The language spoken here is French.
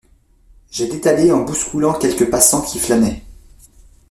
J’ai détalé en bousculant quelques passants qui flânaient.